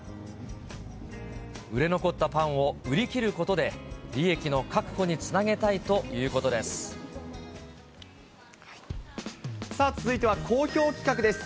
売れ残ったパンを売り切ることで、利益の確保につなげたいというこさあ、続いては好評企画です。